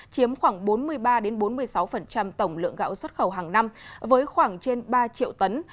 chiếm khoảng bốn mươi ba bốn mươi sáu tổng lượng gạo xuất khẩu hàng năm với khoảng trên ba triệu tấn